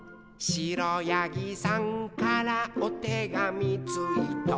「くろやぎさんからおてがみついた」